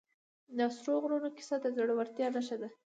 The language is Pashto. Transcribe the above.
د سرو غرونو کیسه د زړورتیا نښه ده.